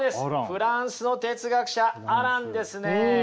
フランスの哲学者アランですね。